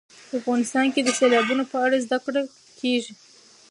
په افغانستان کې د سیلابونو په اړه زده کړه کېږي.